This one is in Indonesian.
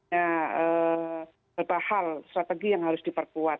ya berbahal strategi yang harus diperkuat